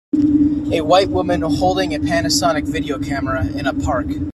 A white woman holding a Panasonic video camera in a park.